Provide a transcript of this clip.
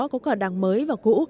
có cả đảng mới và cũ